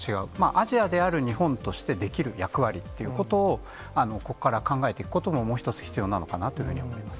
アジアである日本としてできる役割っていうことを、ここから考えていくことももう一つ必要なのかなと思います。